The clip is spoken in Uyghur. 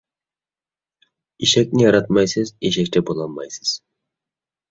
ئېشەكنى ياراتمايسىز، ئېشەكچە بولالمايسىز.